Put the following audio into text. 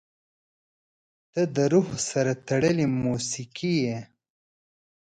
• ته د روح سره تړلې موسیقي یې.